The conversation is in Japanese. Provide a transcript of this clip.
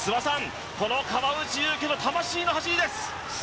この川内優輝の魂の走りです！